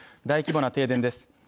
大規模な停電です